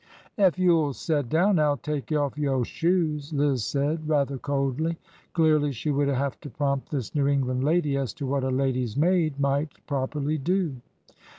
'' Ef you 'll set down I 'll take off yo' shoes," Liz said rather coldly. Clearly, she would have to prompt this New England lady as to what a lady's maid might prop erly do.